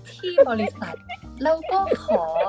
ที่บริษัทแล้วก็ขอ